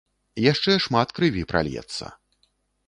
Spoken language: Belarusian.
Яшчэ шмат крыві пральецца.